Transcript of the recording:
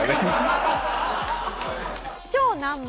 超難問！